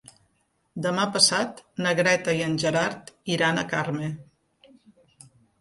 Demà passat na Greta i en Gerard iran a Carme.